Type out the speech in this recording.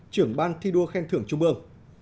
trưởng ban thi đua khen thưởng trung mương